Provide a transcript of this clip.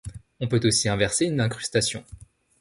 On peut aussi inverser une incrustation.